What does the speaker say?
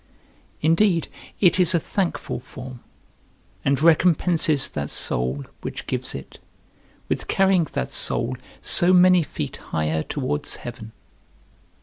Indeed it is a thankful form, and recompenses that soul, which gives it, with carrying that soul so many feet higher towards heaven.